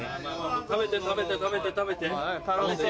食べて食べて食べて食べて。